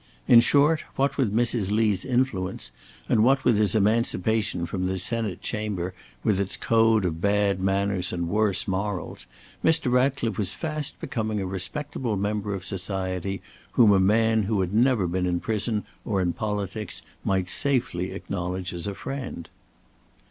In short, what with Mrs. Lee's influence and what with his emancipation from the Senate chamber with its code of bad manners and worse morals, Mr. Ratcliffe was fast becoming a respectable member of society whom a man who had never been in prison or in politics might safely acknowledge as a friend.